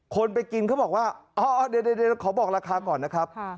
คนไปกินเขาบอกว่าอ๋อเดี๋ยวขอบอกราคาก่อนนะครับ